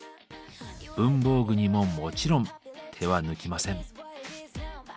文房具にももちろん手は抜きません。